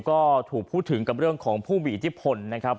ก็ถูกพูดถึงกับเรื่องของผู้มีอิทธิพลนะครับ